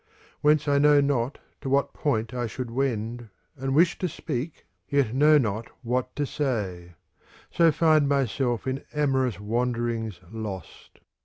Whence I know not to what point I should wend. And wish to speak, yet know not what to say: i° So find myself in amorous wanderings lost.